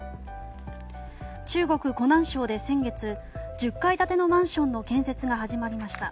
中国・湖南省で先月１０階建てのマンションの建設が始まりました。